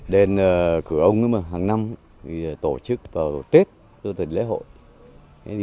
đến cửa ông hằng năm tổ chức vào tết tư tình lễ hội